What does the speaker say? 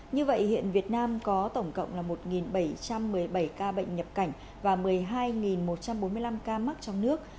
như vậy hiện việt nam có tổng cộng là một bảy trăm một mươi bảy ca bệnh nhập cảnh và một mươi hai một trăm bốn mươi năm ca mắc trong nước